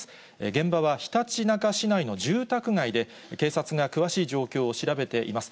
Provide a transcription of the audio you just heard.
現場はひたちなか市内の住宅街で、警察が詳しい状況を調べています。